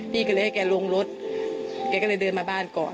พี่ก็เลยให้แกลงรถแกก็เลยเดินมาบ้านก่อน